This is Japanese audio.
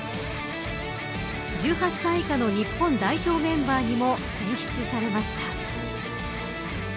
１８歳以下の日本代表メンバーにも選出されました。